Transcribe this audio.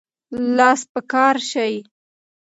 لاس په کار شئ.